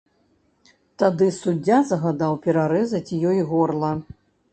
Тады суддзя загадаў перарэзаць ёй горла.